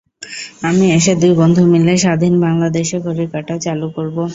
আমি এসে দুই বন্ধু মিলে স্বাধীন বাংলাদেশে ঘড়ির কাঁটা চালু করব।